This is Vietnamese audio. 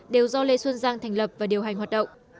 đều do lê xuân giang thành lập và điều hành hoạt động